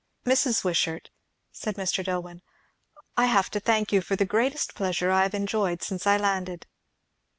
"Mrs. Wishart," said Mr. Dillwyn, "I have to thank you for the greatest pleasure I have enjoyed since I landed."